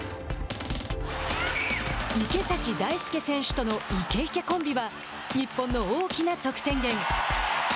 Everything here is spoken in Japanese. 池崎大輔選手との池池コンビは日本の大きな得点源。